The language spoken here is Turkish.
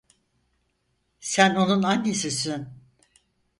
Sen onun annesisin.